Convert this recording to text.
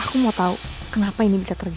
aku mau tahu kenapa ini bisa terjadi